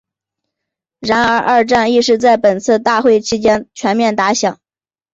然而二战亦是在本次大会期间全面打响。